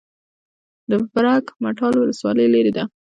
د برګ مټال ولسوالۍ لیرې ده